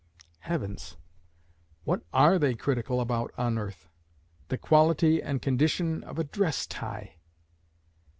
Heavens! what are they critical about on earth? The quality and condition of a dress tie!